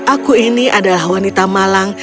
aku ini adalah wanita malang